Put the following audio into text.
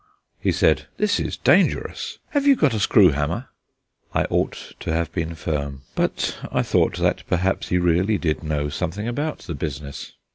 He said: "This is dangerous; have you got a screw hammer?" I ought to have been firm, but I thought that perhaps he really did know something about the business.